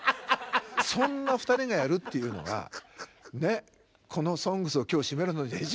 そんな２人がやるっていうのがこの「ＳＯＮＧＳ」を今日締めるのには一番いいんじゃないか。